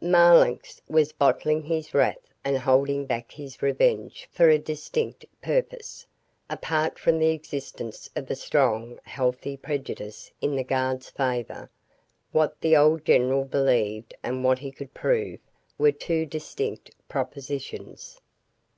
Marlanx was bottling his wrath and holding back his revenge for a distinct purpose. Apart from the existence of a strong, healthy prejudice in the guard's favor, what the old general believed and what he could prove were two distinct propositions.